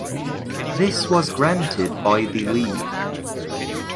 This was granted by the league.